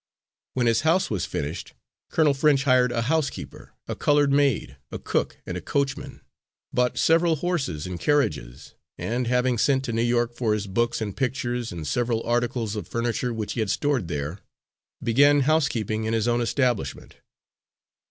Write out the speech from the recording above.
When his house was finished, Colonel French hired a housekeeper, a coloured maid, a cook and a coachman, bought several horses and carriages, and, having sent to New York for his books and pictures and several articles of furniture which he had stored there, began housekeeping in his own establishment.